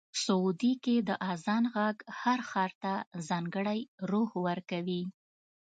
سعودي کې د اذان غږ هر ښار ته ځانګړی روح ورکوي.